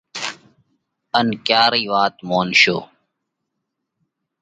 ان ڪيا رئِي وات مونشون؟